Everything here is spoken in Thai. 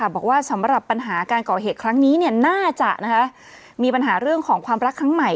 บอกว่าสำหรับปัญหาการก่อเหตุครั้งนี้น่าจะมีปัญหาเรื่องของความรักครั้งใหม่